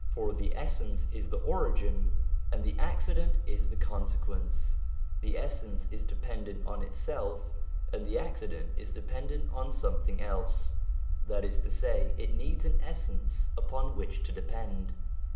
For the essence is the origin, and the accident is the consequence ; the essence is dependent on itself, and the accident is dependent on something else: that is to say, it needs an essence upon which to depend.